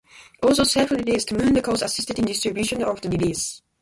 Although self-released, Moon Records assisted in distribution of the release.